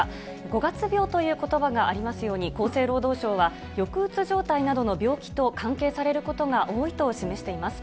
五月病ということばがありますように、厚生労働省は、抑うつ状態などの病気と関係されることが多いと示しています。